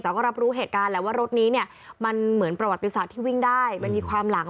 แต่ก็รับรู้เหตุการณ์แหละว่ารถนี้เนี่ยมันเหมือนประวัติศาสตร์ที่วิ่งได้มันมีความหลัง